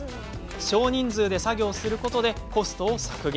少人数で作業することでコストを削減。